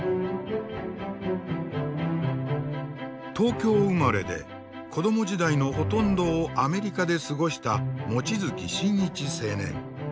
東京生まれで子ども時代のほとんどをアメリカで過ごした望月新一青年。